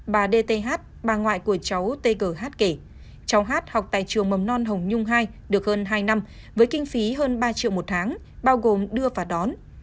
bà đê tê hát bà ngoại của cháu tê cờ hát kể cháu hát học tại trường mầm non hồng nhung ii được hơn hai năm với kinh phí hơn ba triệu một tháng bao gồm đưa và đón